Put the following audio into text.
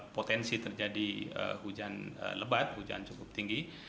potensi terjadi hujan lebat hujan cukup tinggi